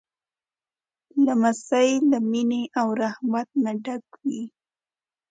لمسی له مینې او رحمت نه ډک وي.